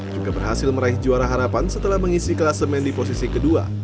juga berhasil meraih juara harapan setelah mengisi kelasemen di posisi kedua